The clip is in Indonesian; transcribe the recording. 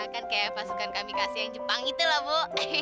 kan kayak pasukan kami kasih yang jepang itulah bu